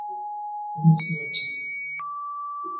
Mimi si wa chini.